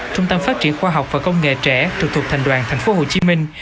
trung tâm phát triển khoa học và công nghệ trẻ trực thuộc thành đoàn thành phố hồ chí minh